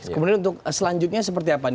kemudian untuk selanjutnya seperti apa nih